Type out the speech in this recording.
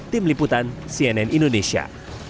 tim liputan cnn indonesia